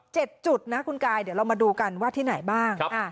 จุดนะคุณกายเดี๋ยวเรามาดูกันว่าที่ไหนบ้าง